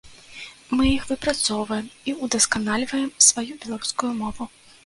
Мы іх выпрацоўваем і ўдасканальваем сваю беларускую мову.